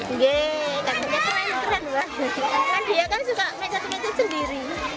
yeay kakaknya keren keren banget